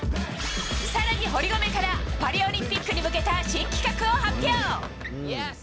更に堀米からパリオリンピックに向けた新企画を発表！